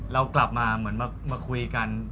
เรากลับมาเหมือนมาคุยกัน